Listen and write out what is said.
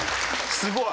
すごい。